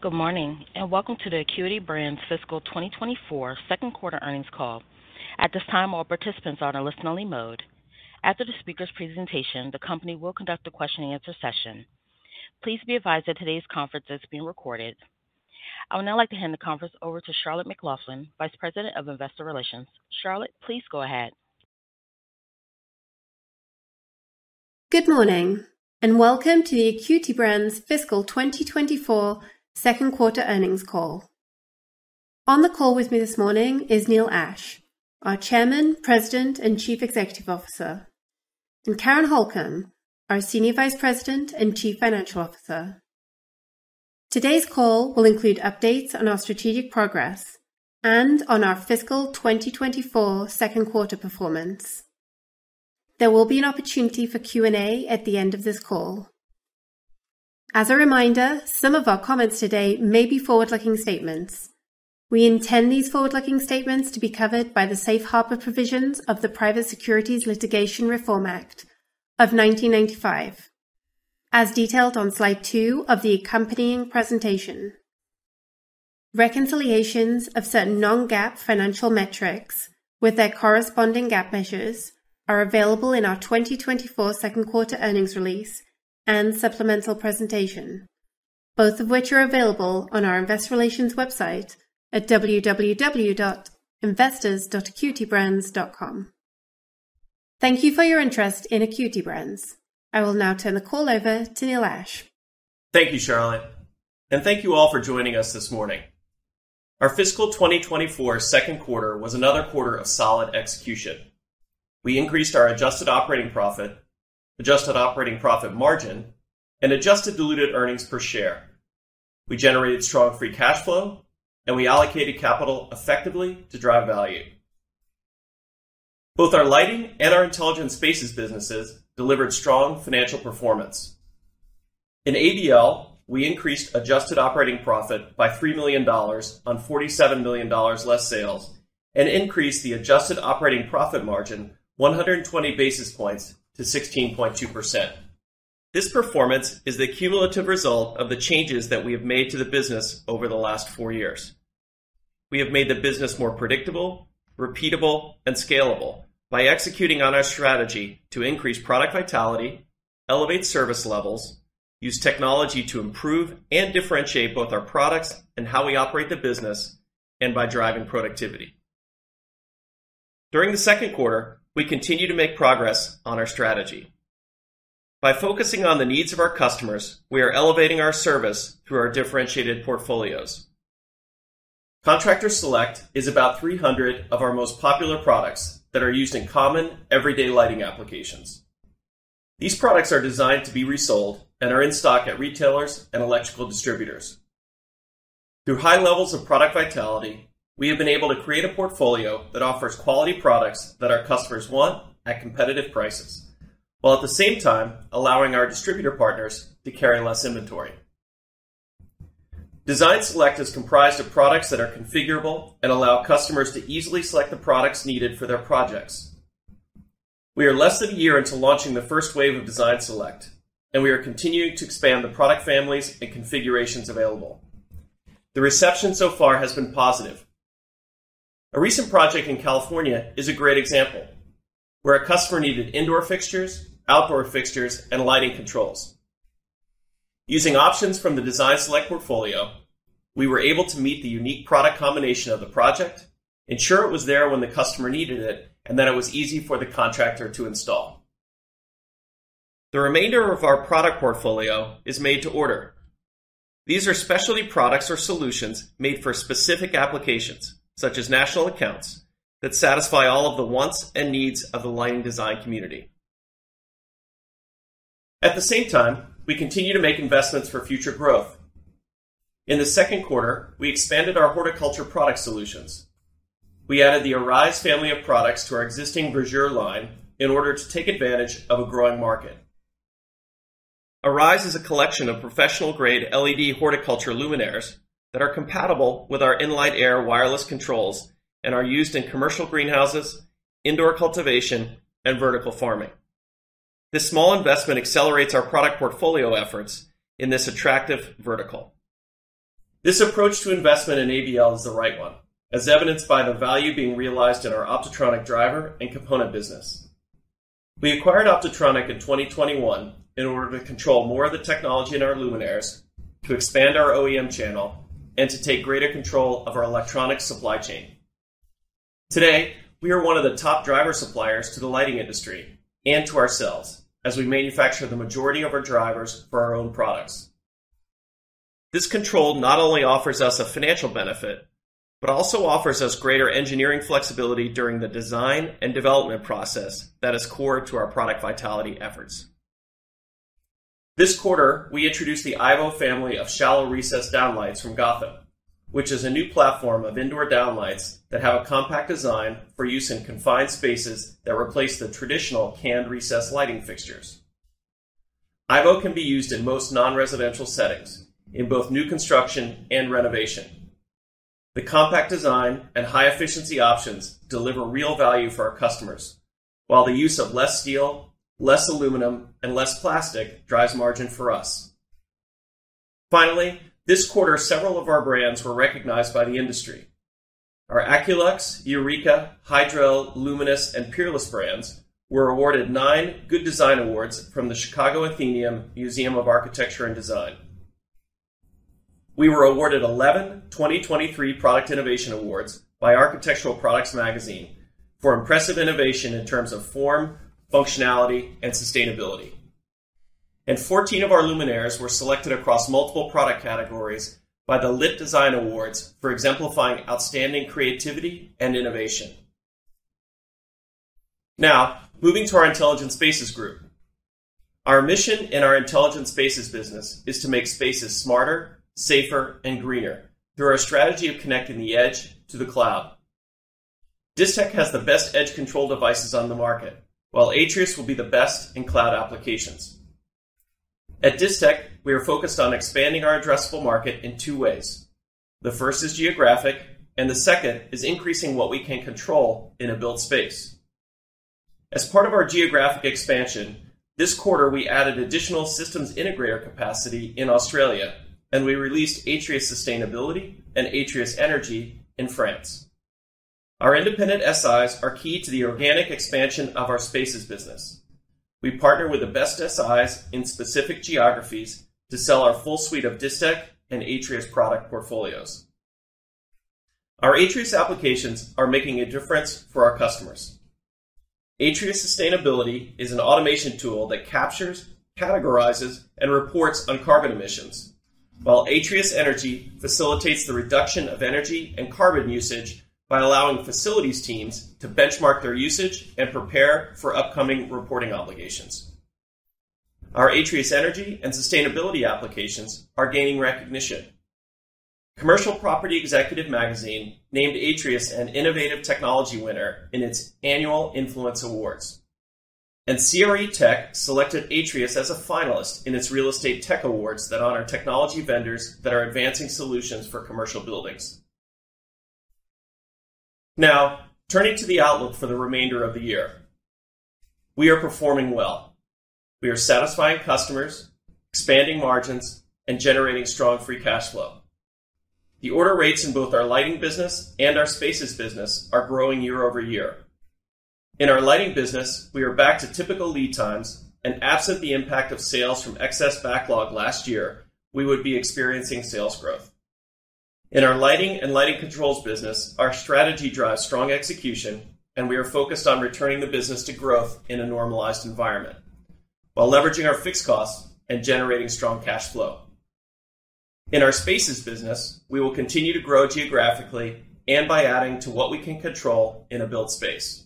Good morning, and welcome to the Acuity Brands Fiscal 2024 second quarter earnings call. At this time, all participants are in a listen-only mode. After the speaker's presentation, the company will conduct a question-and-answer session. Please be advised that today's conference is being recorded. I would now like to hand the conference over to Charlotte McLaughlin, Vice President of Investor Relations. Charlotte, please go ahead. Good morning, and welcome to the Acuity Brands' fiscal 2024 second quarter earnings call. On the call with me this morning is Neil Ashe, our Chairman, President, and Chief Executive Officer, and Karen Holcom, our Senior Vice President and Chief Financial Officer. Today's call will include updates on our strategic progress and on our fiscal 2024 second quarter performance. There will be an opportunity for Q&A at the end of this call. As a reminder, some of our comments today may be forward-looking statements. We intend these forward-looking statements to be covered by the Safe Harbor provisions of the Private Securities Litigation Reform Act of 1995, as detailed on slide 2 of the accompanying presentation. Reconciliations of certain non-GAAP financial metrics with their corresponding GAAP measures are available in our 2024 second quarter earnings release and supplemental presentation, both of which are available on our investor relations website at www.investors.acuitybrands.com. Thank you for your interest in Acuity Brands. I will now turn the call over to Neil Ashe. Thank you, Charlotte, and thank you all for joining us this morning. Our fiscal 2024 second quarter was another quarter of solid execution. We increased our adjusted operating profit, adjusted operating profit margin, and adjusted diluted earnings per share. We generated strong free cash flow, and we allocated capital effectively to drive value. Both our lighting and our intelligent spaces businesses delivered strong financial performance. In ABL, we increased adjusted operating profit by $3 million on $47 million less sales and increased the adjusted operating profit margin 120 basis points to 16.2%. This performance is the cumulative result of the changes that we have made to the business over the last four years. We have made the business more predictable, repeatable, and scalable by executing on our strategy to increase Product Vitality, elevate service levels, use technology to improve and differentiate both our products and how we operate the business, and by driving productivity. During the second quarter, we continued to make progress on our strategy. By focusing on the needs of our customers, we are elevating our service through our differentiated portfolios. Contractor Select is about 300 of our most popular products that are used in common, everyday lighting applications. These products are designed to be resold and are in stock at retailers and electrical distributors. Through high levels of Product Vitality, we have been able to create a portfolio that offers quality products that our customers want at competitive prices, while at the same time allowing our distributor partners to carry less inventory. Design Select is comprised of products that are configurable and allow customers to easily select the products needed for their projects. We are less than a year into launching the first wave of Design Select, and we are continuing to expand the product families and configurations available. The reception so far has been positive. A recent project in California is a great example, where a customer needed indoor fixtures, outdoor fixtures, and lighting controls. Using options from the Design Select portfolio, we were able to meet the unique product combination of the project, ensure it was there when the customer needed it, and that it was easy for the contractor to install. The remainder of our product portfolio is made to order. These are specialty products or solutions made for specific applications, such as national accounts, that satisfy all of the wants and needs of the lighting design community. At the same time, we continue to make investments for future growth. In the second quarter, we expanded our horticulture product solutions. We added the Arize family of products to our existing Verjure line in order to take advantage of a growing market. Arize is a collection of professional-grade LED horticulture luminaires that are compatible with our nLight Air wireless controls and are used in commercial greenhouses, indoor cultivation, and vertical farming. This small investment accelerates our product portfolio efforts in this attractive vertical. This approach to investment in ABL is the right one, as evidenced by the value being realized in our Optotronic driver and component business. We acquired Optotronic in 2021 in order to control more of the technology in our luminaires, to expand our OEM channel, and to take greater control of our electronic supply chain. Today, we are one of the top driver suppliers to the lighting industry and to ourselves as we manufacture the majority of our drivers for our own products. This control not only offers us a financial benefit, but also offers us greater engineering flexibility during the design and development process that is core to our Product Vitality efforts. This quarter, we introduced the Ivo family of shallow recess downlights from Gotham, which is a new platform of indoor downlights that have a compact design for use in confined spaces that replace the traditional canned recess lighting fixtures. Ivo can be used in most non-residential settings, in both new construction and renovation. The compact design and high-efficiency options deliver real value for our customers, while the use of less steel, less aluminum, and less plastic drives margin for us. Finally, this quarter, several of our brands were recognized by the industry. Our Aculux, Eureka, Hydrel, Luminis, and Peerless brands were awarded nine Good Design Awards from the Chicago Athenaeum Museum of Architecture and Design. We were awarded 11 2023 Product Innovation Awards by Architectural Products Magazine for impressive innovation in terms of form, functionality, and sustainability. 14 of our luminaires were selected across multiple product categories by the Lit Design Awards for exemplifying outstanding creativity and innovation. Now, moving to our Intelligent Spaces Group. Our mission in our Intelligent Spaces business is to make spaces smarter, safer, and greener through our strategy of connecting the edge to the cloud. Distech has the best edge control devices on the market, while Atrius will be the best in cloud applications. At Distech, we are focused on expanding our addressable market in two ways. The first is geographic, and the second is increasing what we can control in a built space. As part of our geographic expansion, this quarter, we added additional systems integrator capacity in Australia, and we released Atrius Sustainability and Atrius Energy in France. Our independent SIs are key to the organic expansion of our Spaces business. We partner with the best SIs in specific geographies to sell our full suite of Distech and Atrius product portfolios. Our Atrius applications are making a difference for our customers. Atrius Sustainability is an automation tool that captures, categorizes, and reports on carbon emissions, while Atrius Energy facilitates the reduction of energy and carbon usage by allowing facilities teams to benchmark their usage and prepare for upcoming reporting obligations. Our Atrius Energy and Sustainability applications are gaining recognition. Commercial Property Executive Magazine named Atrius an innovative technology winner in its annual Influence Awards, and CRE Tech selected Atrius as a finalist in its Real Estate Tech Awards that honor technology vendors that are advancing solutions for commercial buildings. Now, turning to the outlook for the remainder of the year. We are performing well. We are satisfying customers, expanding margins, and generating strong free cash flow. The order rates in both our lighting business and our Spaces business are growing year-over-year. In our lighting business, we are back to typical lead times, and absent the impact of sales from excess backlog last year, we would be experiencing sales growth. In our lighting and lighting controls business, our strategy drives strong execution, and we are focused on returning the business to growth in a normalized environment, while leveraging our fixed costs and generating strong cash flow. In our Spaces business, we will continue to grow geographically and by adding to what we can control in a built space.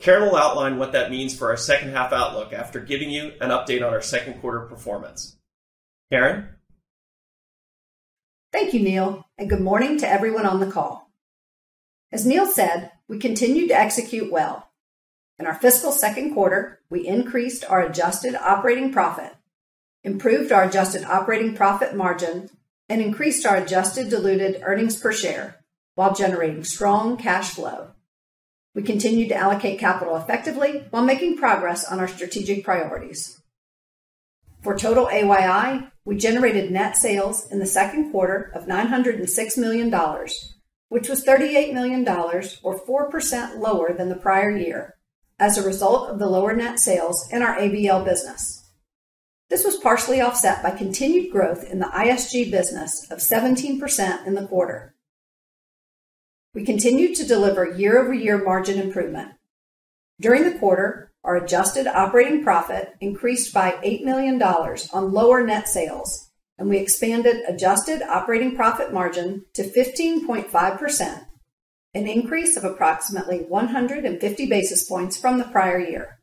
Karen will outline what that means for our second half outlook after giving you an update on our second quarter performance. Karen? Thank you, Neil, and good morning to everyone on the call. As Neil said, we continue to execute well. In our fiscal second quarter, we increased our adjusted operating profit, improved our adjusted operating profit margin, and increased our adjusted diluted earnings per share while generating strong cash flow. We continued to allocate capital effectively while making progress on our strategic priorities. For total AYI, we generated net sales in the second quarter of $906 million, which was $38 million or 4% lower than the prior year as a result of the lower net sales in our ABL business. This was partially offset by continued growth in the ISG business of 17% in the quarter. We continued to deliver year-over-year margin improvement. During the quarter, our adjusted operating profit increased by $8 million on lower net sales, and we expanded adjusted operating profit margin to 15.5%, an increase of approximately 150 basis points from the prior year.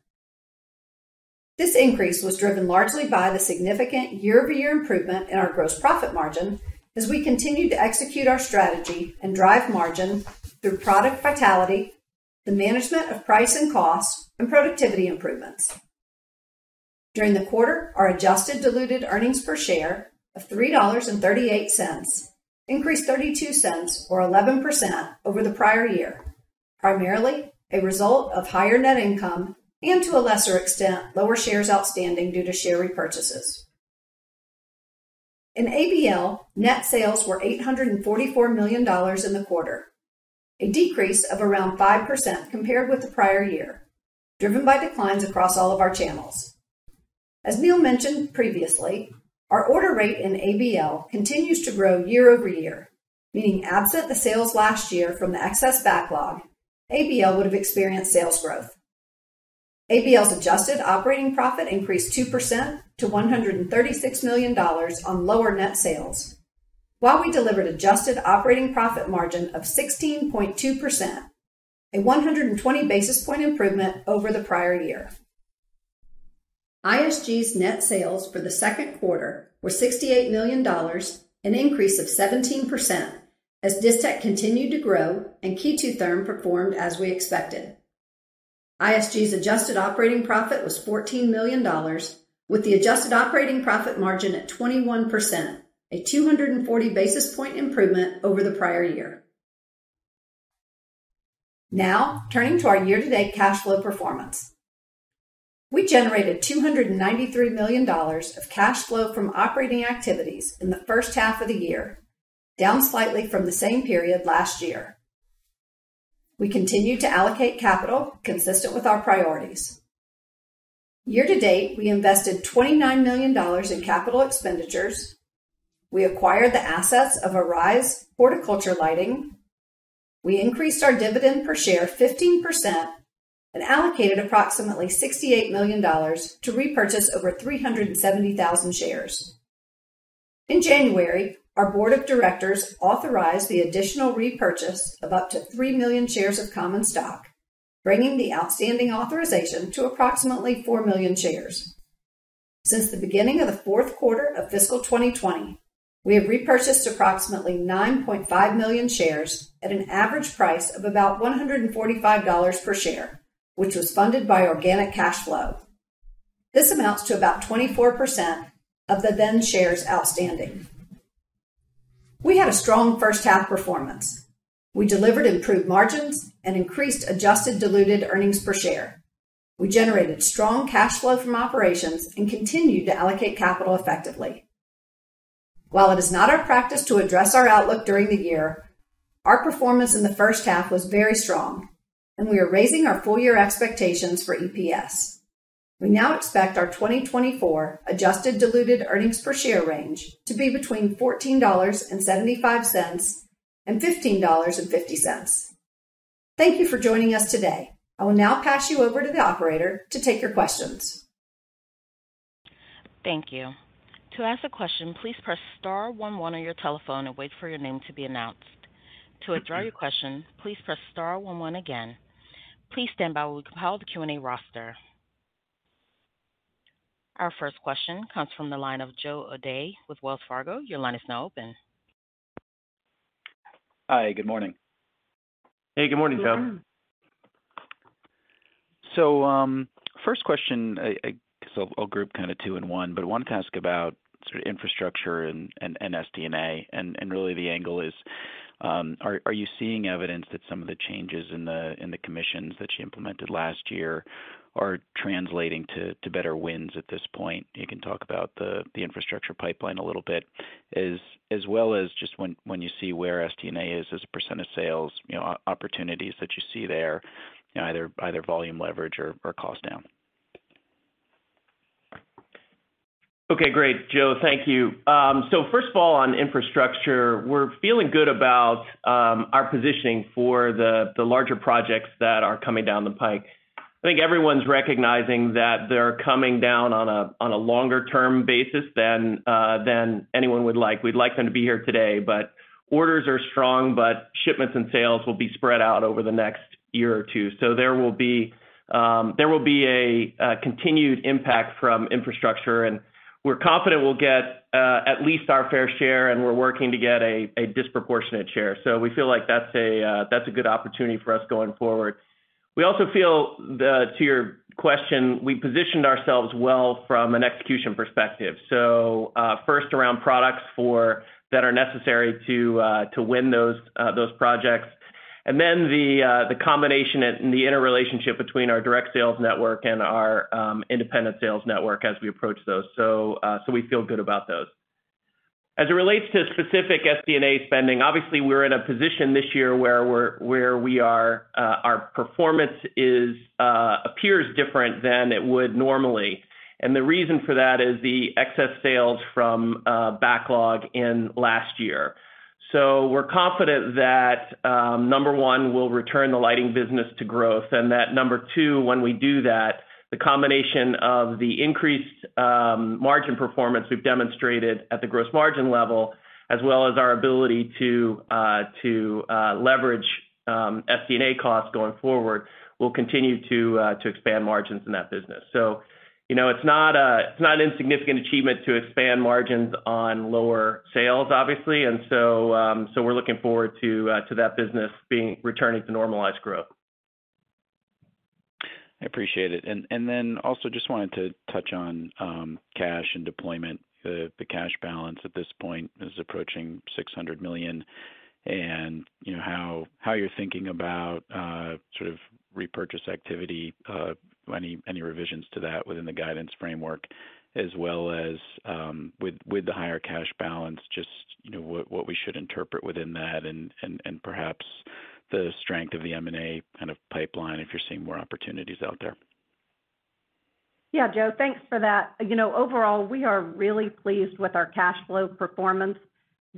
This increase was driven largely by the significant year-over-year improvement in our gross profit margin as we continued to execute our strategy and drive margin through product vitality, the management of price and cost, and productivity improvements. During the quarter, our adjusted diluted earnings per share of $3.38 increased $0.32 or 11% over the prior year, primarily a result of higher net income and, to a lesser extent, lower shares outstanding due to share repurchases. In ABL, net sales were $844 million in the quarter, a decrease of around 5% compared with the prior year, driven by declines across all of our channels. As Neil mentioned previously, our order rate in ABL continues to grow year-over-year, meaning absent the sales last year from the excess backlog, ABL would have experienced sales growth. ABL's adjusted operating profit increased 2% to $136 million on lower net sales, while we delivered adjusted operating profit margin of 16.2%, a 120 basis point improvement over the prior year. ISG's net sales for the second quarter were $68 million, an increase of 17% as Distech continued to grow and KE2 Therm performed as we expected.... ISG's adjusted operating profit was $14 million, with the adjusted operating profit margin at 21%, a 240 basis point improvement over the prior year. Now, turning to our year-to-date cash flow performance. We generated $293 million of cash flow from operating activities in the first half of the year, down slightly from the same period last year. We continued to allocate capital consistent with our priorities. Year to date, we invested $29 million in capital expenditures. We acquired the assets of Arize Horticulture Lighting. We increased our dividend per share 15% and allocated approximately $68 million to repurchase over 370,000 shares. In January, our board of directors authorized the additional repurchase of up to 3 million shares of common stock, bringing the outstanding authorization to approximately 4 million shares. Since the beginning of the fourth quarter of fiscal 2020, we have repurchased approximately 9.5 million shares at an average price of about $145 per share, which was funded by organic cash flow. This amounts to about 24% of the then shares outstanding. We had a strong first half performance. We delivered improved margins and increased adjusted diluted earnings per share. We generated strong cash flow from operations and continued to allocate capital effectively. While it is not our practice to address our outlook during the year, our performance in the first half was very strong, and we are raising our full year expectations for EPS. We now expect our 2024 adjusted diluted earnings per share range to be between $14.75 and $15.50. Thank you for joining us today. I will now pass you over to the operator to take your questions. Thank you. To ask a question, please press star one one on your telephone and wait for your name to be announced. To withdraw your question, please press star one one again. Please stand by while we compile the Q&A roster. Our first question comes from the line of Joseph O'Dea with Wells Fargo. Your line is now open. Hi, good morning. Hey, good morning, Joseph. So, first question, I'll group kind of two in one, but wanted to ask about sort of infrastructure and SD&A, and really the angle is, are you seeing evidence that some of the changes in the commissions that you implemented last year are translating to better wins at this point? You can talk about the infrastructure pipeline a little bit, as well as just when you see where SD&A is as a % of sales, you know, opportunities that you see there, either volume leverage or cost down. Okay, great, Joe, thank you. So first of all, on infrastructure, we're feeling good about our positioning for the larger projects that are coming down the pike. I think everyone's recognizing that they're coming down on a longer-term basis than anyone would like. We'd like them to be here today, but orders are strong, shipments and sales will be spread out over the next year or two. So there will be a continued impact from infrastructure, and we're confident we'll get at least our fair share, and we're working to get a disproportionate share. So we feel like that's a good opportunity for us going forward. We also feel, to your question, we positioned ourselves well from an execution perspective. So first, around products for... That are necessary to win those projects, and then the combination and the interrelationship between our direct sales network and our independent sales network as we approach those. So we feel good about those. As it relates to specific SD&A spending, obviously, we're in a position this year where we are, our performance appears different than it would normally. And the reason for that is the excess sales from backlog in last year. So we're confident that, number one, we'll return the lighting business to growth, and that number two, when we do that, the combination of the increased margin performance we've demonstrated at the gross margin level, as well as our ability to leverage SD&A costs going forward, will continue to expand margins in that business. You know, it's not an insignificant achievement to expand margins on lower sales, obviously. And so, so we're looking forward to, to that business being returning to normalized growth. I appreciate it. And then also just wanted to touch on cash and deployment. The cash balance at this point is approaching $600 million and, you know, how you're thinking about sort of repurchase activity, any revisions to that within the guidance framework, as well as with the higher cash balance, just, you know, what we should interpret within that and perhaps the strength of the M&A kind of pipeline, if you're seeing more opportunities out there. Yeah, Joe, thanks for that. You know, overall, we are really pleased with our cash flow performance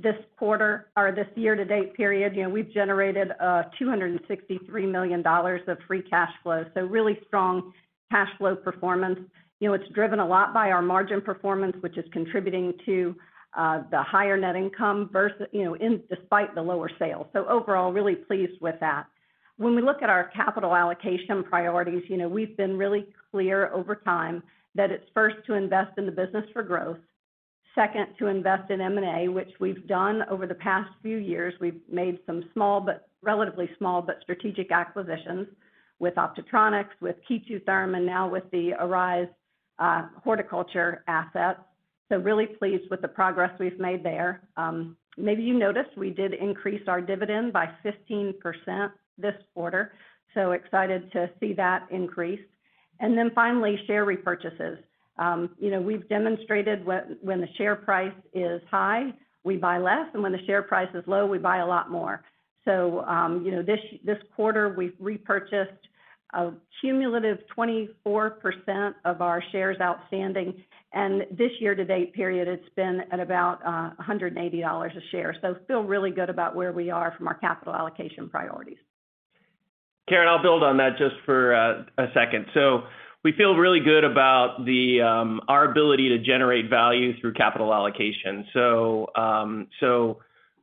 this quarter or this year to date period. You know, we've generated $263 million of free cash flow, so really strong cash flow performance. You know, it's driven a lot by our margin performance, which is contributing to the higher net income versus, you know, in despite the lower sales. So overall, really pleased with that. When we look at our capital allocation priorities, you know, we've been really clear over time that it's first to invest in the business for growth. ... second, to invest in M&A, which we've done over the past few years. We've made some small, but relatively small, but strategic acquisitions with Optotronics, with KE2 Therm, and now with the Arize Horticulture asset. So really pleased with the progress we've made there. Maybe you noticed we did increase our dividend by 15% this quarter, so excited to see that increase. And then finally, share repurchases. You know, we've demonstrated when, when the share price is high, we buy less, and when the share price is low, we buy a lot more. So, you know, this, this quarter, we've repurchased a cumulative 24% of our shares outstanding, and this year-to-date period, it's been at about a $180 a share. So feel really good about where we are from our capital allocation priorities. Karen, I'll build on that just for a second. So we feel really good about our ability to generate value through capital allocation. So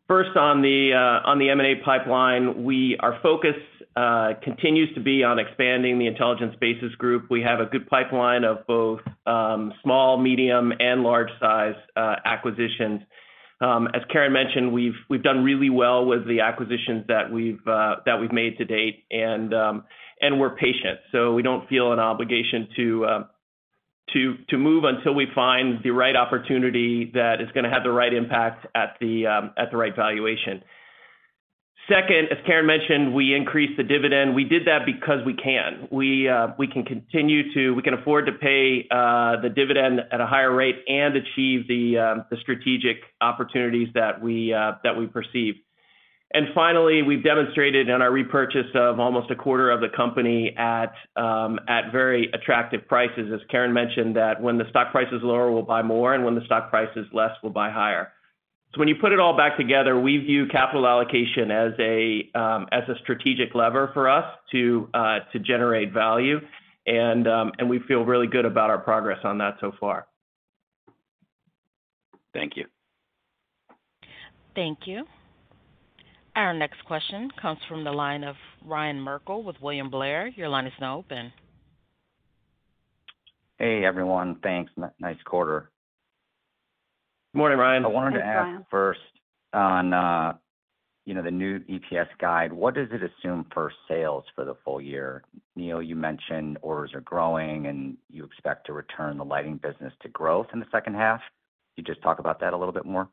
first, on the M&A pipeline, our focus continues to be on expanding the Intelligent Spaces Group. We have a good pipeline of both small, medium, and large size acquisitions. As Karen mentioned, we've done really well with the acquisitions that we've made to date, and we're patient. So we don't feel an obligation to move until we find the right opportunity that is gonna have the right impact at the right valuation. Second, as Karen mentioned, we increased the dividend. We did that because we can. We can afford to pay the dividend at a higher rate and achieve the strategic opportunities that we perceive. And finally, we've demonstrated in our repurchase of almost a quarter of the company at very attractive prices. As Karen mentioned, that when the stock price is lower, we'll buy more, and when the stock price is less, we'll buy higher. So when you put it all back together, we view capital allocation as a strategic lever for us to generate value, and we feel really good about our progress on that so far. Thank you. Thank you. Our next question comes from the line of Ryan Merkel with William Blair. Your line is now open. Hey, everyone. Thanks. Nice quarter. Good morning, Ryan. I wanted to ask first on, you know, the new EPS guide, what does it assume for sales for the full year? Neil, you mentioned orders are growing, and you expect to return the lighting business to growth in the second half. Can you just talk about that a little bit more? Sure.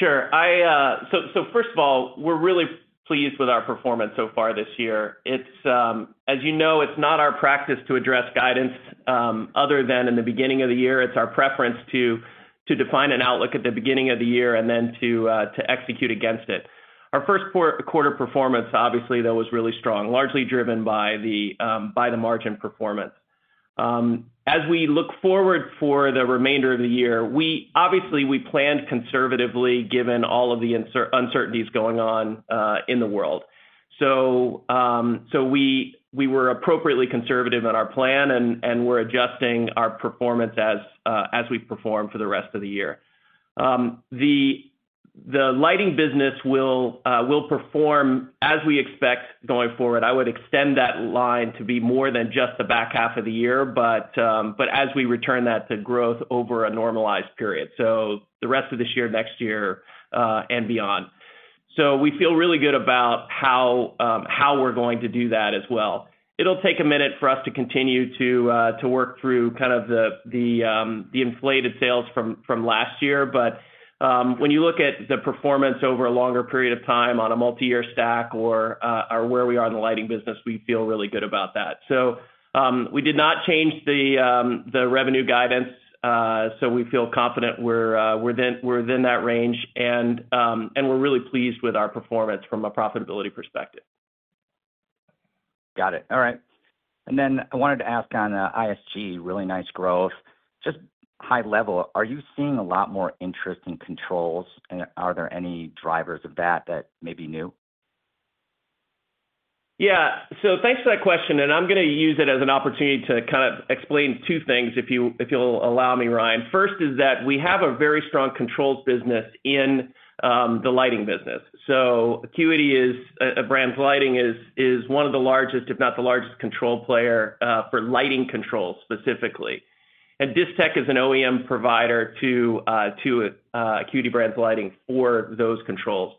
So first of all, we're really pleased with our performance so far this year. It's, as you know, it's not our practice to address guidance, other than in the beginning of the year. It's our preference to define an outlook at the beginning of the year, and then to execute against it. Our first quarter performance, obviously, though, was really strong, largely driven by the margin performance. As we look forward for the remainder of the year, we obviously planned conservatively, given all of the uncertainties going on in the world. So we were appropriately conservative in our plan, and we're adjusting our performance as we perform for the rest of the year. The lighting business will perform as we expect going forward. I would extend that line to be more than just the back half of the year, but, but as we return that to growth over a normalized period, so the rest of this year, next year, and beyond. So we feel really good about how, how we're going to do that as well. It'll take a minute for us to continue to, to work through kind of the, the inflated sales from, from last year, but, when you look at the performance over a longer period of time on a multi-year stack or, or where we are in the lighting business, we feel really good about that. So, we did not change the revenue guidance, so we feel confident we're within that range, and we're really pleased with our performance from a profitability perspective. Got it. All right. And then I wanted to ask on ISG, really nice growth. Just high level, are you seeing a lot more interest in controls, and are there any drivers of that that may be new? Yeah. So thanks for that question, and I'm gonna use it as an opportunity to kind of explain two things, if you, if you'll allow me, Ryan. First, is that we have a very strong controls business in the lighting business. So Acuity is a brand of lighting, is one of the largest, if not the largest, control player for lighting controls specifically. And Distech is an OEM provider to Acuity Brands Lighting for those controls.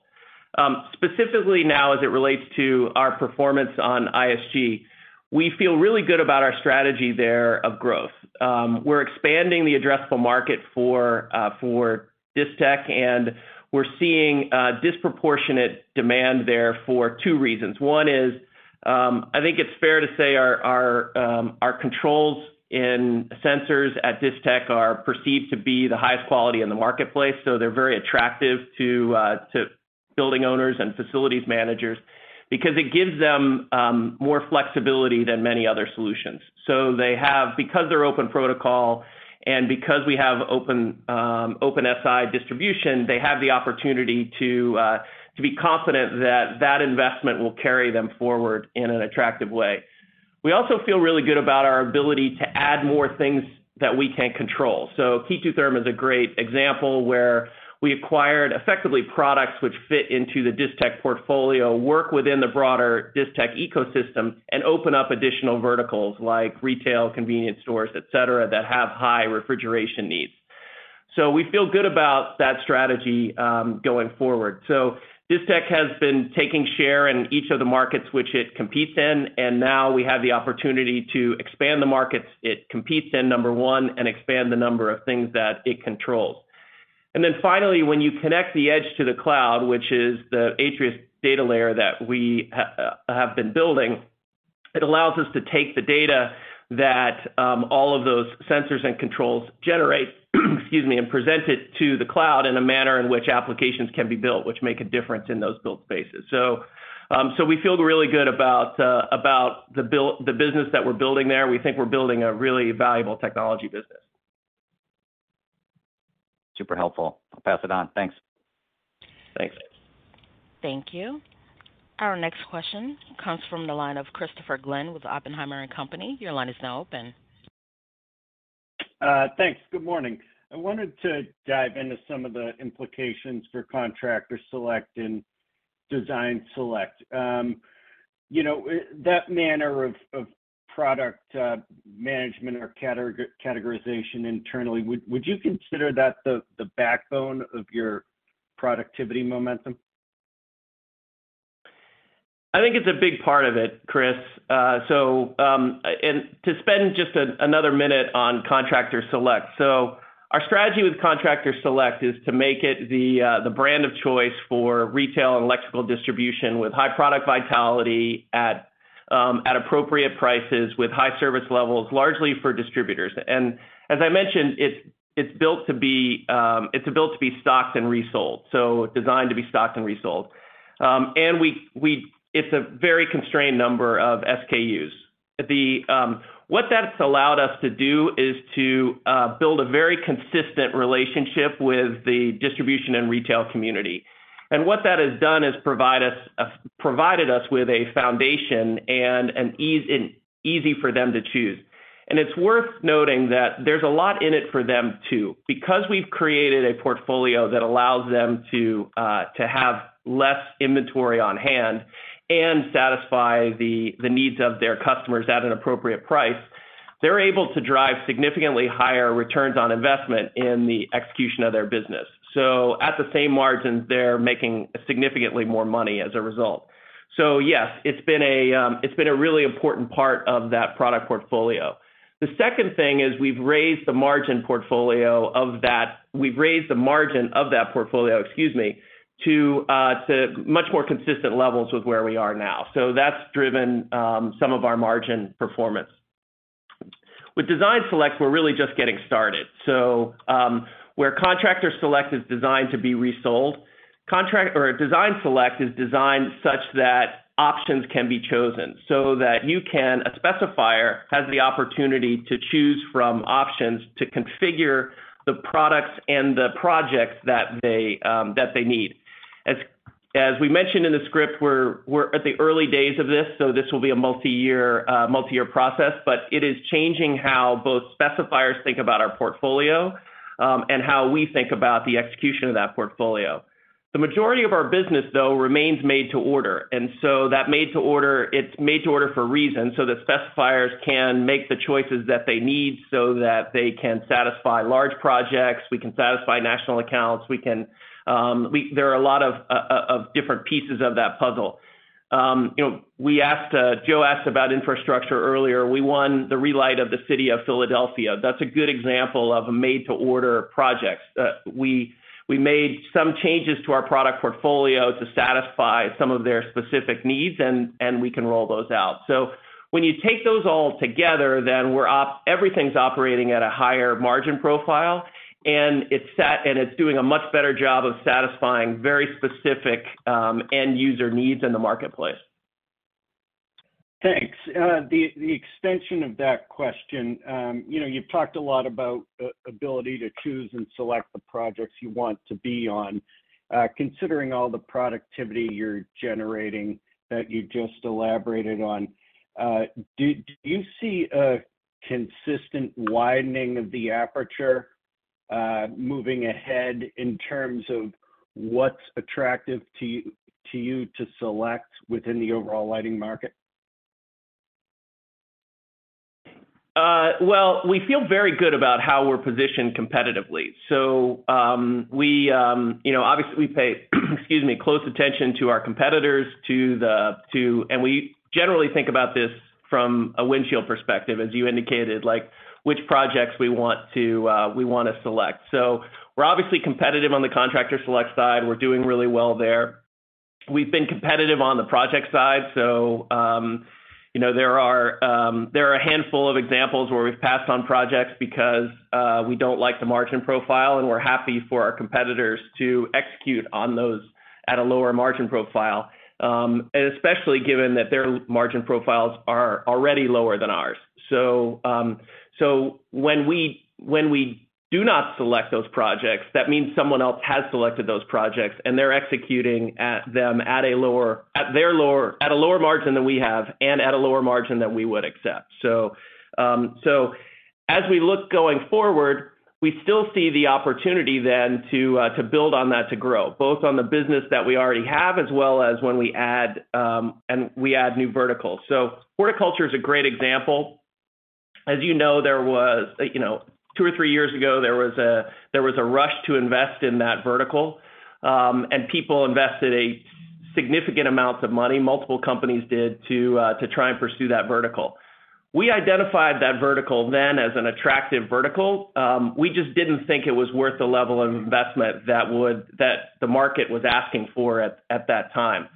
Specifically now, as it relates to our performance on ISG, we feel really good about our strategy there of growth. We're expanding the addressable market for Distech, and we're seeing disproportionate demand there for two reasons. One is, I think it's fair to say our controls in sensors at Distech are perceived to be the highest quality in the marketplace, so they're very attractive to building owners and facilities managers because it gives them more flexibility than many other solutions. So they have, because they're open protocol and because we have open open SI distribution, they have the opportunity to be confident that that investment will carry them forward in an attractive way. We also feel really good about our ability to add more things that we can't control. So KE2 Therm is a great example, where we acquired, effectively, products which fit into the Distech portfolio, work within the broader Distech ecosystem, and open up additional verticals like retail, convenience stores, et cetera, that have high refrigeration needs. So we feel good about that strategy, going forward. So Distech has been taking share in each of the markets which it competes in, and now we have the opportunity to expand the markets it competes in, number one, and expand the number of things that it controls. And then finally, when you connect the edge to the cloud, which is the Atrius data layer that we have been building, it allows us to take the data that all of those sensors and controls generate, excuse me, and present it to the cloud in a manner in which applications can be built, which make a difference in those built spaces. So, so we feel really good about about the business that we're building there. We think we're building a really valuable technology business. Super helpful. I'll pass it on. Thanks. Thanks. Thank you. Our next question comes from the line of Christopher Glynn with Oppenheimer and Company. Your line is now open. Thanks. Good morning. I wanted to dive into some of the implications for Contractor Select and Design Select. You know, that manner of product management or categorization internally, would you consider that the backbone of your productivity momentum? I think it's a big part of it, Chris. To spend just another minute on Contractor Select. So our strategy with Contractor Select is to make it the brand of choice for retail and electrical distribution, with high Product Vitality at appropriate prices, with high service levels, largely for distributors. And as I mentioned, it's built to be stocked and resold, so designed to be stocked and resold. It's a very constrained number of SKUs. What that's allowed us to do is to build a very consistent relationship with the distribution and retail community. And what that has done is provide us with a foundation and an easy for them to choose. It's worth noting that there's a lot in it for them, too. Because we've created a portfolio that allows them to to have less inventory on hand and satisfy the needs of their customers at an appropriate price, they're able to drive significantly higher returns on investment in the execution of their business. So at the same margins, they're making significantly more money as a result. So yes, it's been a really important part of that product portfolio. The second thing is we've raised the margin of that portfolio, excuse me, to to much more consistent levels with where we are now. So that's driven some of our margin performance. With Design Select, we're really just getting started. So, where Contractor Select is designed to be resold, Design Select is designed such that options can be chosen so that a specifier has the opportunity to choose from options to configure the products and the projects that they, that they need. As we mentioned in the script, we're at the early days of this, so this will be a multiyear, multiyear process, but it is changing how both specifiers think about our portfolio, and how we think about the execution of that portfolio. The majority of our business, though, remains made to order, and so that made to order, it's made to order for a reason, so that specifiers can make the choices that they need so that they can satisfy large projects, we can satisfy national accounts, we can, there are a lot of different pieces of that puzzle. You know, Joe asked about infrastructure earlier. We won the relight of the city of Philadelphia. That's a good example of a made to order projects. We made some changes to our product portfolio to satisfy some of their specific needs, and we can roll those out. So when you take those all together, then everything's operating at a higher margin profile, and it's doing a much better job of satisfying very specific end-user needs in the marketplace. Thanks. The extension of that question, you know, you've talked a lot about ability to choose and select the projects you want to be on. Considering all the productivity you're generating that you just elaborated on, do you see a consistent widening of the aperture moving ahead in terms of what's attractive to you to select within the overall lighting market? Well, we feel very good about how we're positioned competitively. So, we, you know, obviously, we pay, excuse me, close attention to our competitors. And we generally think about this from a windshield perspective, as you indicated, like which projects we want to select. So we're obviously competitive on the Contractor Select side. We're doing really well there. We've been competitive on the project side. So, you know, there are a handful of examples where we've passed on projects because we don't like the margin profile, and we're happy for our competitors to execute on those at a lower margin profile, and especially given that their margin profiles are already lower than ours. So, so when we do not select those projects, that means someone else has selected those projects, and they're executing them at a lower margin than we have and at a lower margin than we would accept. So, so as we look going forward, we still see the opportunity to build on that to grow, both on the business that we already have, as well as when we add new verticals. So horticulture is a great example. As you know, you know, two or three years ago, there was a rush to invest in that vertical. And people invested a significant amount of money, multiple companies did, to try and pursue that vertical. We identified that vertical then as an attractive vertical. We just didn't think it was worth the level of investment that the market was asking for at that time.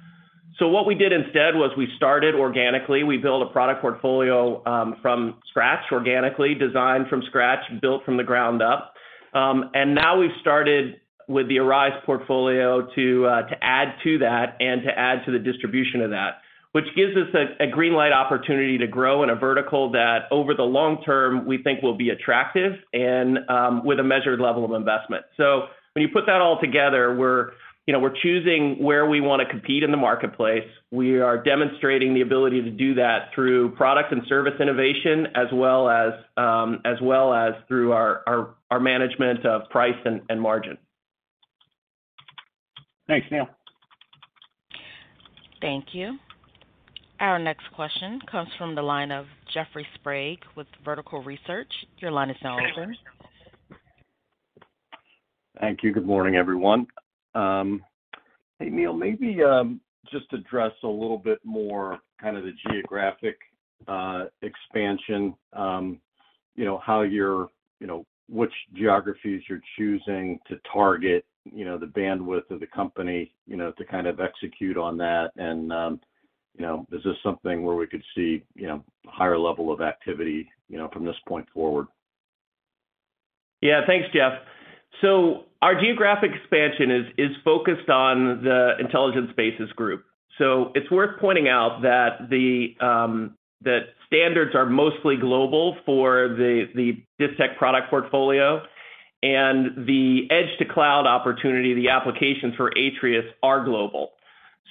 So what we did instead was we started organically. We built a product portfolio from scratch, organically, designed from scratch, built from the ground up. And now we've started with the Arize portfolio to add to that and to add to the distribution of that, which gives us a green light opportunity to grow in a vertical that, over the long term, we think will be attractive and with a measured level of investment. So when you put that all together, we're, you know, we're choosing where we wanna compete in the marketplace. We are demonstrating the ability to do that through product and service innovation, as well as through our management of price and margin. Thanks, Neil. Thank you. Our next question comes from the line of Jeffrey Sprague with Vertical Research. Your line is now open. Thank you. Good morning, everyone. Hey, Neil, maybe just address a little bit more kind of the geographic expansion, you know, how you're—you know, which geographies you're choosing to target, you know, the bandwidth of the company, you know, to kind of execute on that. And you know, is this something where we could see, you know, higher level of activity, you know, from this point forward? Yeah, thanks, Jeffrey. So our geographic expansion is focused on the Intelligent Spaces Group. So it's worth pointing out that the standards are mostly global for the Distech product portfolio, and the edge-to-cloud opportunity, the applications for Atrius are global.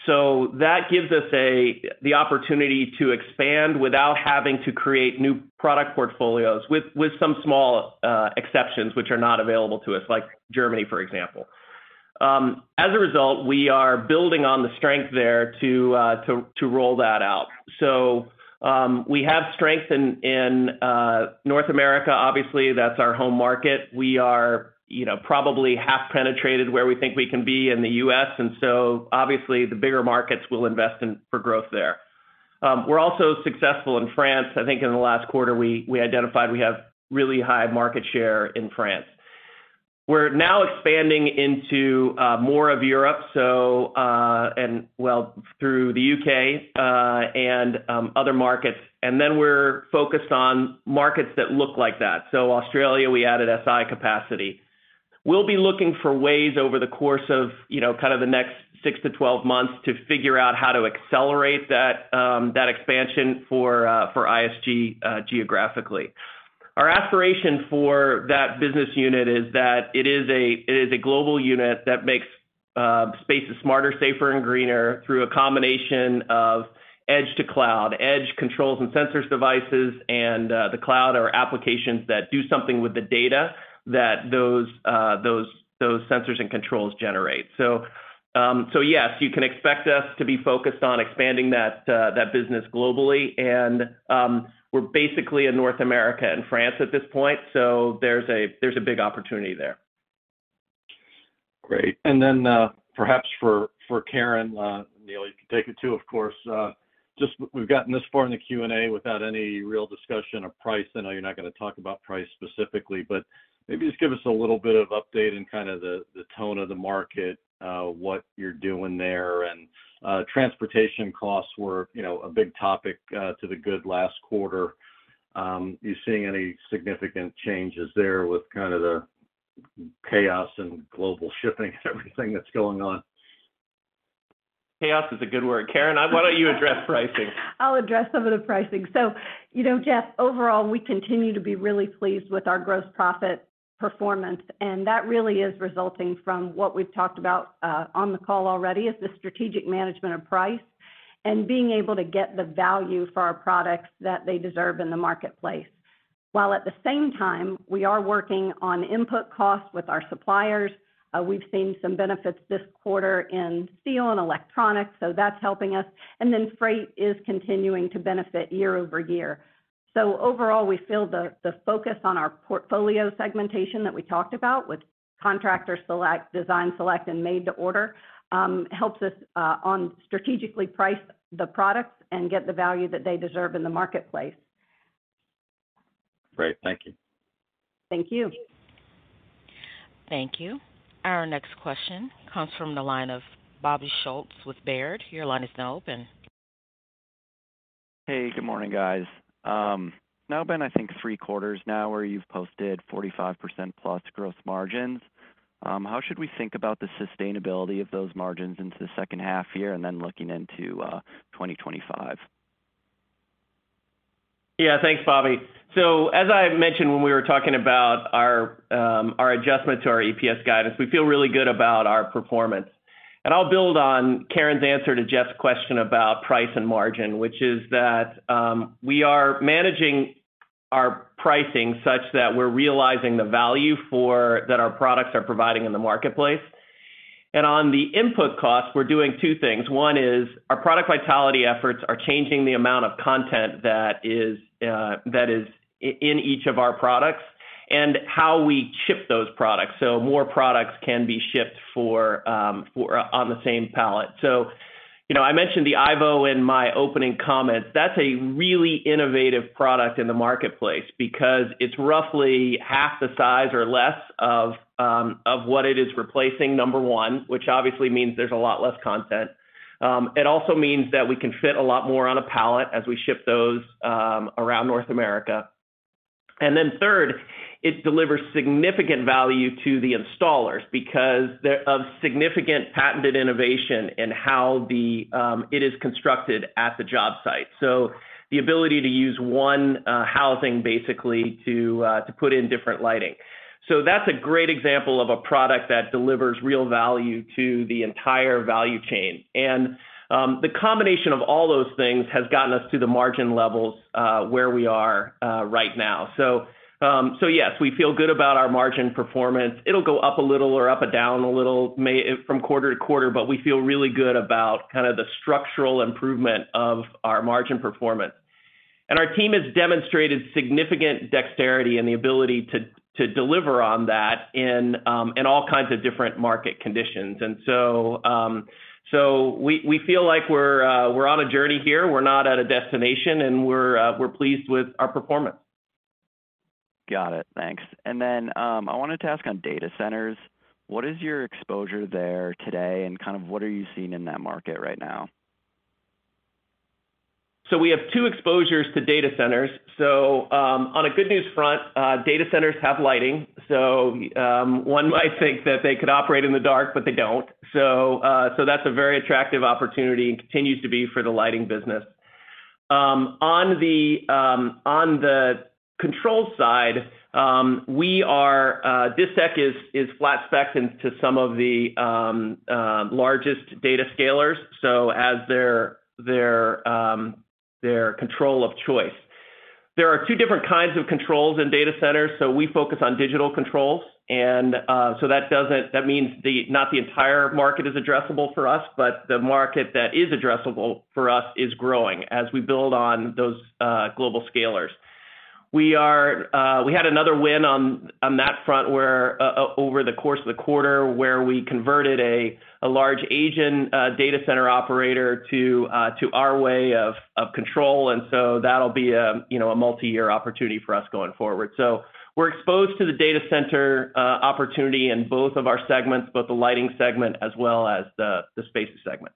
So that gives us a-- the opportunity to expand without having to create new product portfolios, with some small exceptions which are not available to us, like Germany, for example. As a result, we are building on the strength there to roll that out. So we have strength in North America, obviously, that's our home market. We are, you know, probably half penetrated where we think we can be in the U.S., and so obviously, the bigger markets will invest in for growth there. We're also successful in France. I think in the last quarter, we identified we have really high market share in France. We're now expanding into more of Europe, so, and well, through the UK, and other markets, and then we're focused on markets that look like that. So Australia, we added SI capacity. We'll be looking for ways over the course of, you know, kind of the next six to 12 months to figure out how to accelerate that expansion for ISG geographically. Our aspiration for that business unit is that it is a, it is a global unit that makes spaces smarter, safer, and greener through a combination of Edge to Cloud. Edge controls and sensors devices and the cloud are applications that do something with the data that those sensors and controls generate. So, yes, you can expect us to be focused on expanding that business globally, and we're basically in North America and France at this point, so there's a big opportunity there. Great. And then, perhaps for Karen, Neil, you can take it, too, of course. Just we've gotten this far in the Q&A without any real discussion of price. I know you're not gonna talk about price specifically, but maybe just give us a little bit of update in kind of the tone of the market, what you're doing there, and, transportation costs were, you know, a big topic, to the good last quarter. Are you seeing any significant changes there with kind of the chaos in global shipping and everything that's going on? Chaos is a good word. Karen, why don't you address pricing? I'll address some of the pricing. So, you know, Jeff, overall, we continue to be really pleased with our gross profit performance, and that really is resulting from what we've talked about on the call already, is the strategic management of price and being able to get the value for our products that they deserve in the marketplace. While at the same time, we are working on input costs with our suppliers. We've seen some benefits this quarter in steel and electronics, so that's helping us. And then freight is continuing to benefit year over year. So overall, we feel the, the focus on our portfolio segmentation that we talked about with Contractor Select, Design Select, and Made to Order helps us on strategically price the products and get the value that they deserve in the marketplace. Great. Thank you. Thank you. Thank you. Our next question comes from the line of Bobby Schultz with Baird. Your line is now open. Hey, good morning, guys. Now been, I think, three quarters now, where you've posted 45% plus gross margins. How should we think about the sustainability of those margins into the second half year and then looking into 2025? Yeah, thanks, Bobby. So as I mentioned when we were talking about our adjustment to our EPS guidance, we feel really good about our performance. And I'll build on Karen's answer to Jeff's question about price and margin, which is that we are managing our pricing such that we're realizing the value that our products are providing in the marketplace. And on the input costs, we're doing two things. One is our Product Vitality efforts are changing the amount of content that is in each of our products and how we ship those products, so more products can be shipped for on the same pallet. So, you know, I mentioned the Ivo in my opening comments. That's a really innovative product in the marketplace because it's roughly half the size or less of what it is replacing, number one, which obviously means there's a lot less content. It also means that we can fit a lot more on a pallet as we ship those around North America. And then third, it delivers significant value to the installers because of significant patented innovation in how it is constructed at the job site. So the ability to use one housing, basically, to put in different lighting. So that's a great example of a product that delivers real value to the entire value chain. And the combination of all those things has gotten us to the margin levels where we are right now. So yes, we feel good about our margin performance. It'll go up a little or up and down a little from quarter to quarter, but we feel really good about kind of the structural improvement of our margin performance. Our team has demonstrated significant dexterity and the ability to deliver on that in all kinds of different market conditions. So, we feel like we're on a journey here. We're not at a destination, and we're pleased with our performance. Got it. Thanks. I wanted to ask on data centers, what is your exposure there today, and kind of what are you seeing in that market right now? So we have two exposures to data centers. On a good news front, data centers have lighting. One might think that they could operate in the dark, but they don't. So that's a very attractive opportunity and continues to be for the lighting business. On the control side, Distech is first spec into some of the largest data hyperscalers, so as their control of choice. There are two different kinds of controls in data centers, so we focus on digital controls, and so that doesn't, that means not the entire market is addressable for us, but the market that is addressable for us is growing as we build on those global hyperscalers. We are, we had another win on that front, where over the course of the quarter, where we converted a large Asian data center operator to our way of control, and so that'll be a, you know, a multiyear opportunity for us going forward. So we're exposed to the data center opportunity in both of our segments, both the lighting segment as well as the spaces segment.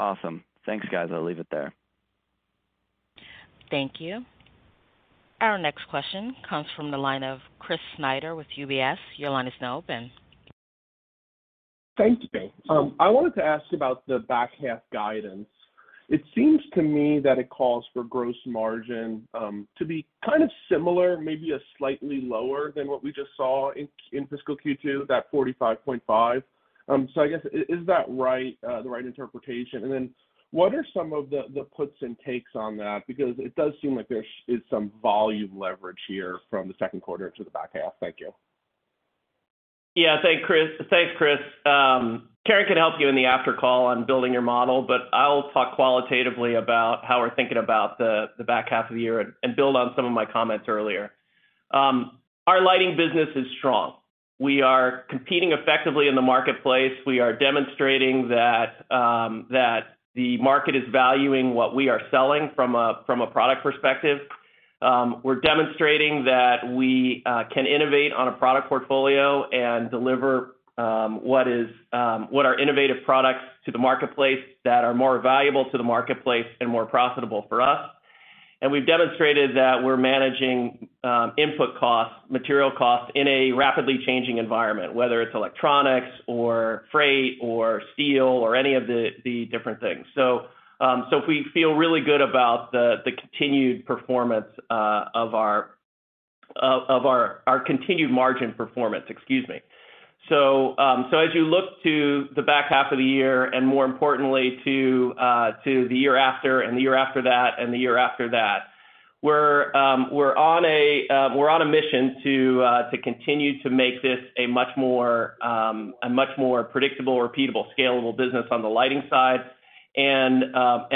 Awesome. Thanks, guys. I'll leave it there. Thank you. Our next question comes from the line of Chris Snyder with UBS. Your line is now open. Thanks. I wanted to ask about the back half guidance. It seems to me that it calls for gross margin to be kind of similar, maybe slightly lower than what we just saw in fiscal Q2, that 45.5%. So I guess, is that right, the right interpretation? And then what are some of the puts and takes on that? Because it does seem like there is some volume leverage here from the second quarter to the back half. Thank you. Yeah, thanks, Chris. Thanks, Chris. Karen can help you in the after call on building your model, but I'll talk qualitatively about how we're thinking about the back half of the year and build on some of my comments earlier. Our lighting business is strong. We are competing effectively in the marketplace. We are demonstrating that the market is valuing what we are selling from a product perspective. We're demonstrating that we can innovate on a product portfolio and deliver what are innovative products to the marketplace that are more valuable to the marketplace and more profitable for us. And we've demonstrated that we're managing input costs, material costs, in a rapidly changing environment, whether it's electronics or freight or steel or any of the different things. So, we feel really good about the continued performance of our continued margin performance, excuse me. So, as you look to the back half of the year, and more importantly, to the year after, and the year after that, and the year after that, we're on a mission to continue to make this a much more predictable, repeatable, scalable business on the lighting side and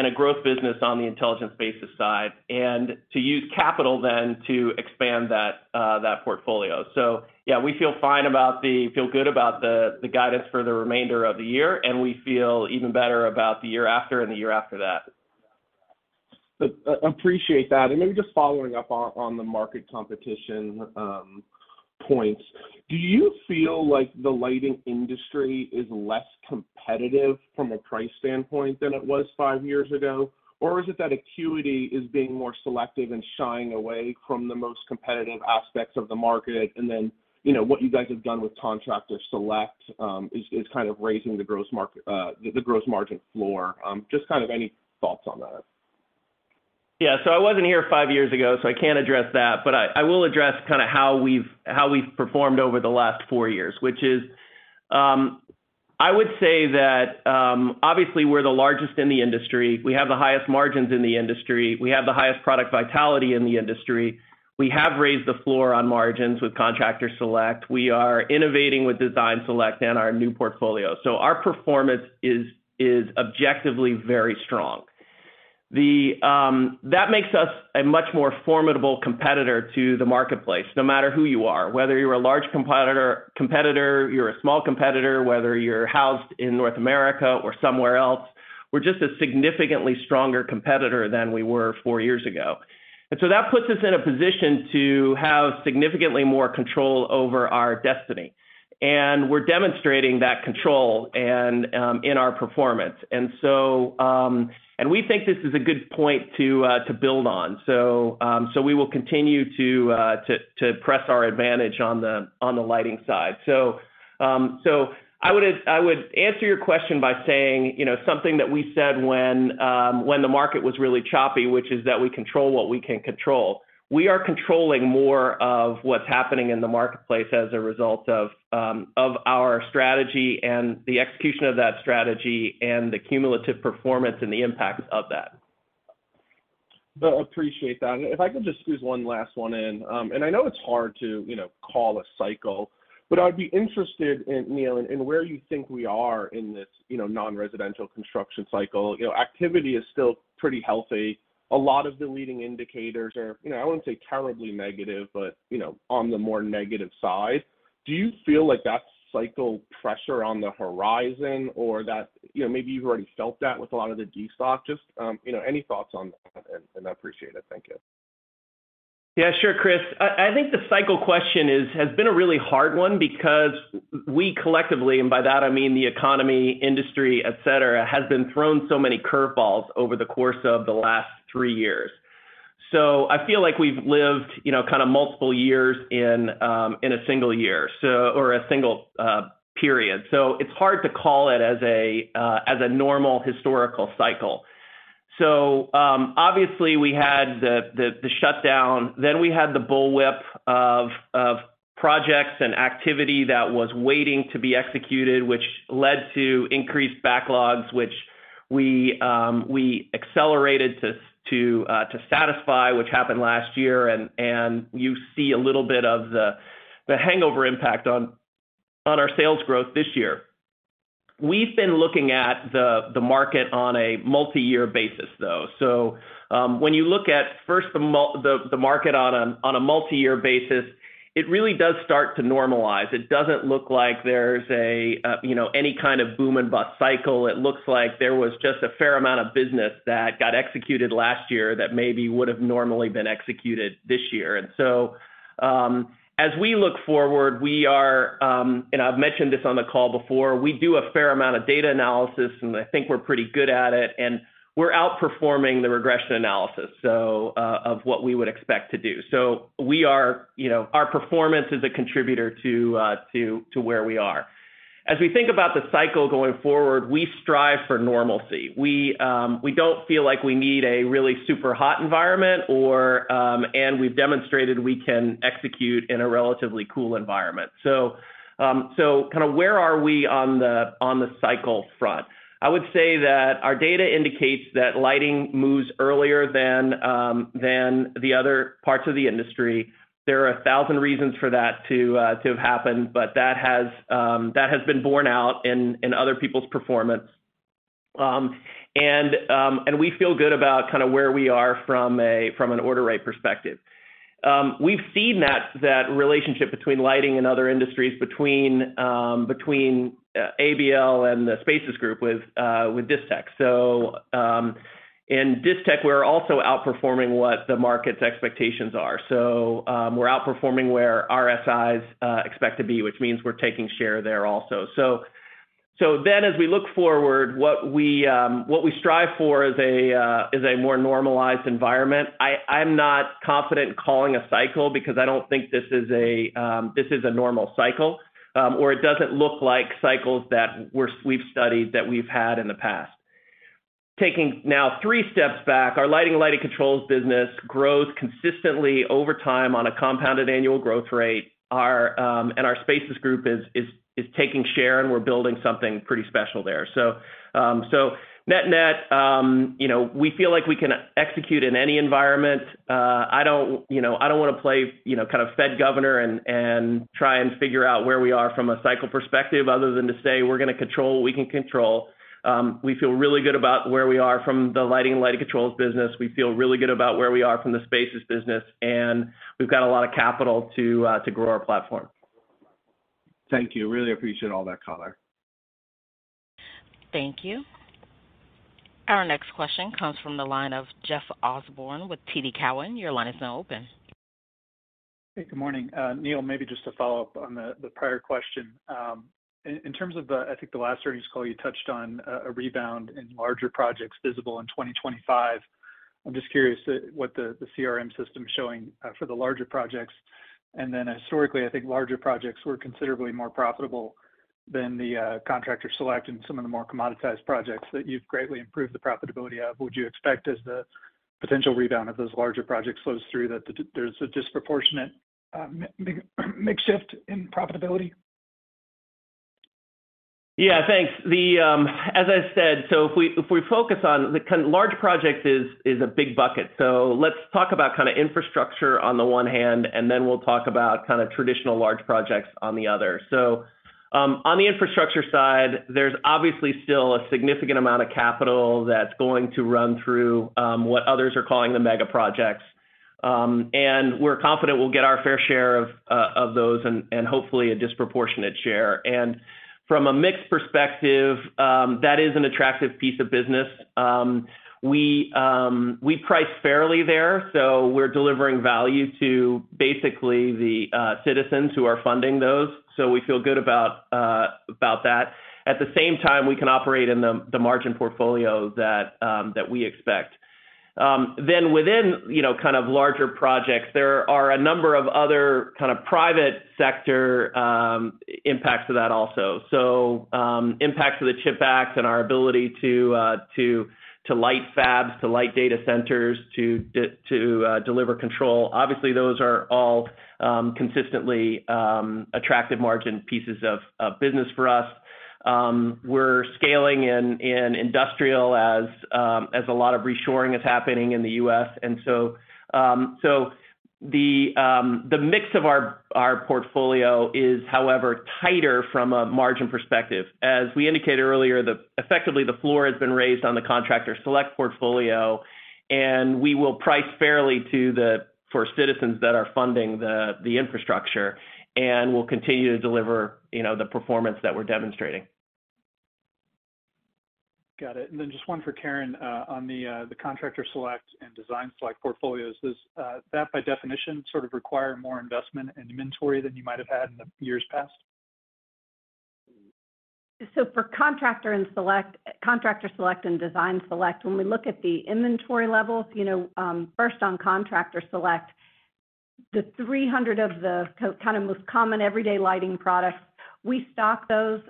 a growth business on the Intelligent Spaces side, and to use capital then to expand that portfolio. So yeah, we feel fine about the... feel good about the guidance for the remainder of the year, and we feel even better about the year after and the year after that. Appreciate that. And maybe just following up on the market competition points. Do you feel like the lighting industry is less competitive from a price standpoint than it was five years ago? Or is it that Acuity is being more selective and shying away from the most competitive aspects of the market, and then, you know, what you guys have done with Contractor Select is kind of raising the gross margin floor? Just kind of any thoughts on that. Yeah. So I wasn't here five years ago, so I can't address that, but I, I will address kind of how we've, how we've performed over the last four years, which is... I would say that, obviously we're the largest in the industry. We have the highest margins in the industry. We have the highest product vitality in the industry. We have raised the floor on margins with Contractor Select. We are innovating with Design Select and our new portfolio. So our performance is, is objectively very strong. The, that makes us a much more formidable competitor to the marketplace, no matter who you are, whether you're a large competitor, competitor, you're a small competitor, whether you're housed in North America or somewhere else, we're just a significantly stronger competitor than we were four years ago. That puts us in a position to have significantly more control over our destiny, and we're demonstrating that control in our performance. We think this is a good point to build on. We will continue to press our advantage on the lighting side. I would answer your question by saying, you know, something that we said when the market was really choppy, which is that we control what we can control. We are controlling more of what's happening in the marketplace as a result of our strategy and the execution of that strategy and the cumulative performance and the impact of that. Well, appreciate that. If I could just squeeze one last one in, and I know it's hard to, you know, call a cycle, but I'd be interested in, Neil, in where you think we are in this, you know, non-residential construction cycle. You know, activity is still pretty healthy. A lot of the leading indicators are, you know, I wouldn't say terribly negative, but, you know, on the more negative side. Do you feel like that's cycle pressure on the horizon or that, you know, maybe you've already felt that with a lot of the destock? Just, you know, any thoughts on that, and I appreciate it. Thank you. Yeah, sure, Chris. I think the cycle question has been a really hard one because we collectively, and by that I mean the economy, industry, et cetera, has been thrown so many curve balls over the course of the last three years. So I feel like we've lived, you know, kind of multiple years in a single year, so, or a single period. So it's hard to call it as a normal historical cycle. So, obviously we had the shutdown, then we had the bullwhip of projects and activity that was waiting to be executed, which led to increased backlogs, which we accelerated to satisfy, which happened last year, and you see a little bit of the hangover impact on our sales growth this year. We've been looking at the market on a multi-year basis, though. So, when you look at the market on a multi-year basis, it really does start to normalize. It doesn't look like there's, you know, any kind of boom and bust cycle. It looks like there was just a fair amount of business that got executed last year that maybe would have normally been executed this year. And so, as we look forward, and I've mentioned this on the call before, we do a fair amount of data analysis, and I think we're pretty good at it, and we're outperforming the regression analysis, so, of what we would expect to do. So we are, you know, our performance is a contributor to where we are. As we think about the cycle going forward, we strive for normalcy. We, we don't feel like we need a really super hot environment or, and we've demonstrated we can execute in a relatively cool environment. So, so kind of where are we on the, on the cycle front? I would say that our data indicates that lighting moves earlier than, than the other parts of the industry. There are 1,000 reasons for that to, to have happened, but that has, that has been borne out in, in other people's performance. And, and we feel good about kind of where we are from a, from an order rate perspective. We've seen that, that relationship between lighting and other industries, between, between, ABL and the Spaces group with, with Distech. So, in Distech, we're also outperforming what the market's expectations are. So, we're outperforming where MSIs expect to be, which means we're taking share there also. So, then as we look forward, what we strive for is a more normalized environment. I'm not confident in calling a cycle because I don't think this is a normal cycle, or it doesn't look like cycles that we've studied, that we've had in the past. Taking now three steps back, our lighting and lighting controls business grows consistently over time on a compounded annual growth rate. Our and our Spaces group is taking share, and we're building something pretty special there. So, net-net, you know, we feel like we can execute in any environment. I don't, you know, I don't want to play, you know, kind of Fed governor and try and figure out where we are from a cycle perspective, other than to say, we're gonna control what we can control. We feel really good about where we are from the lighting and lighting controls business. We feel really good about where we are from the Spaces business, and we've got a lot of capital to grow our platform. Thank you. Really appreciate all that color. Thank you. Our next question comes from the line of Jeff Osborne with TD Cowen. Your line is now open. Hey, good morning. Neil, maybe just to follow up on the prior question. In terms of the, I think the last earnings call, you touched on a rebound in larger projects visible in 2025. I'm just curious what the CRM system is showing for the larger projects. And then historically, I think larger projects were considerably more profitable than the Contractor Select and some of the more commoditized projects that you've greatly improved the profitability of. Would you expect as the potential rebound of those larger projects flows through, that there's a disproportionate mix shift in profitability? Yeah, thanks. As I said, so if we focus on the kind of large projects business, that's a big bucket. So let's talk about kind of infrastructure on the one hand, and then we'll talk about kind of traditional large projects on the other. So, on the infrastructure side, there's obviously still a significant amount of capital that's going to run through what others are calling the mega projects. And we're confident we'll get our fair share of those and hopefully a disproportionate share. And from a mix perspective, that is an attractive piece of business. We price fairly there, so we're delivering value to basically the citizens who are funding those. So we feel good about that. At the same time, we can operate in the margin portfolio that we expect. Then within, you know, kind of larger projects, there are a number of other kind of private sector impacts to that also. So, impacts to the CHIPS Act and our ability to light fabs, to light data centers, to deliver control. Obviously, those are all consistently attractive margin pieces of business for us. We're scaling in industrial as a lot of reshoring is happening in the U.S. And so the mix of our portfolio is, however, tighter from a margin perspective. As we indicated earlier, effectively, the floor has been raised on the Contractor Select portfolio, and we will price fairly for citizens that are funding the infrastructure, and we'll continue to deliver, you know, the performance that we're demonstrating. Got it. And then just one for Karen, on the Contractor Select and Design Select portfolios. Does that, by definition, sort of require more investment in inventory than you might have had in the years past? So for Contractor Select and Design Select, when we look at the inventory levels, you know, first on Contractor Select, the 300 of the kind of most common everyday lighting products, we stock those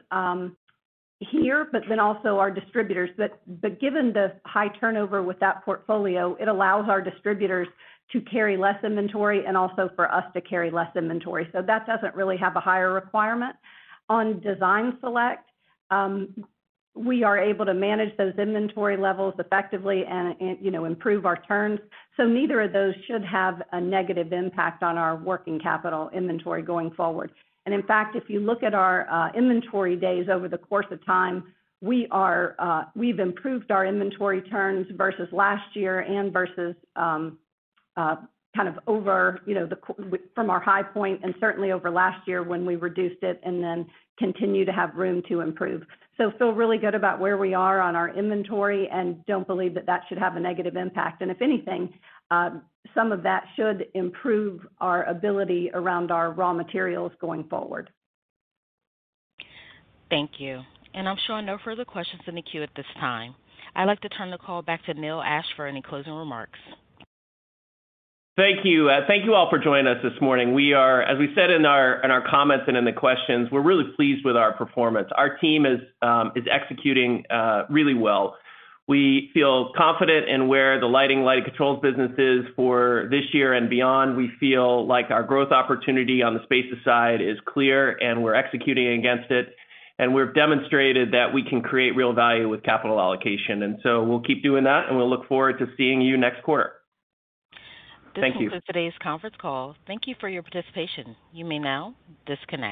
here, but then also our distributors. But given the high turnover with that portfolio, it allows our distributors to carry less inventory and also for us to carry less inventory. So that doesn't really have a higher requirement. On Design Select, we are able to manage those inventory levels effectively and you know, improve our turns. So neither of those should have a negative impact on our working capital inventory going forward. And in fact, if you look at our inventory days over the course of time, we are, we've improved our inventory turns versus last year and versus kind of over, you know, from our high point, and certainly over last year when we reduced it, and then continue to have room to improve. So feel really good about where we are on our inventory and don't believe that that should have a negative impact. And if anything, some of that should improve our ability around our raw materials going forward. Thank you. I'm showing no further questions in the queue at this time. I'd like to turn the call back to Neil Ashe for any closing remarks. Thank you. Thank you all for joining us this morning. We are, as we said in our comments and in the questions, we're really pleased with our performance. Our team is executing really well. We feel confident in where the lighting controls business is for this year and beyond. We feel like our growth opportunity on the spaces side is clear, and we're executing against it, and we've demonstrated that we can create real value with capital allocation. So we'll keep doing that, and we'll look forward to seeing you next quarter. Thank you. This concludes today's conference call. Thank you for your participation. You may now disconnect.